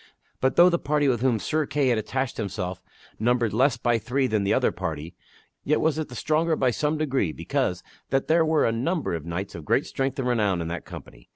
But though the party with whom Sir Kay had attached himself numbered less by three than the other party, yet was it the stronger by some degree because that there were a number of knights of great strength and renown in that company.